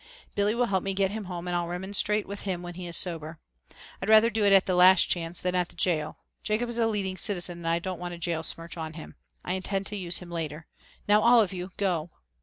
Billy will help me get him home and I'll remonstrate with him when he is sober. I'd rather do it at the Last Chance than at the jail. Jacob is a leading citizen and I don't want a jail smirch on him. I intend to use him later. Now all of you go. Go!"